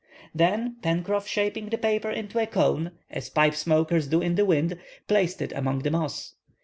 Then Pencroff shaping the paper into a cone, as pipe smokers do in the wind, placed it among the moss.